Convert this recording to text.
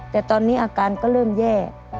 แต่ตอนนี้อาการก็เริ่มแย่